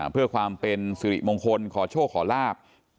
เพื่อความเป็นสิริมงคลขอโชคขอลาบ